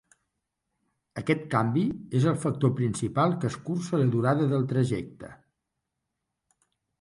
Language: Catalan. Aquest canvi és el factor principal que escurça la durada del trajecte.